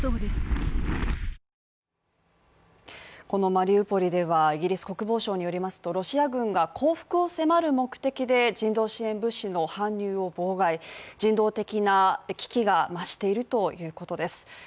このマリウポリではイギリス国防省によりますとロシア軍が降伏を迫る目的で人道支援物資の搬入を妨害、人道的な危機が増しているということです。